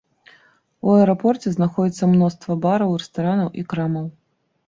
У аэрапорце знаходзіцца мноства бараў, рэстаранаў і крамаў.